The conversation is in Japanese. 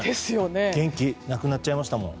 元気なくなっちゃいましたもん。